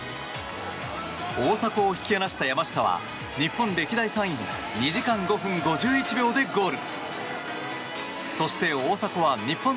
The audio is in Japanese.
大迫を引き離した山下は日本歴代３位の２時間５分５１秒でゴール。